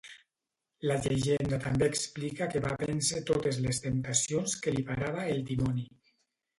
La llegenda també explica que va vèncer totes les temptacions que li parava el dimoni.